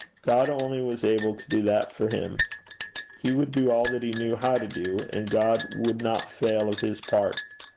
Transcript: God only was able to do that for him. He would do all that he knew how to do, and God would not fail of his part.